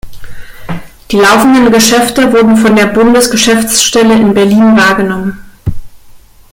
Die laufenden Geschäfte wurde von der Bundesgeschäftsstelle in Berlin wahrgenommen.